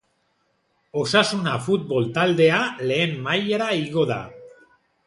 Osasuna futbol taldea lehen mailara igo da.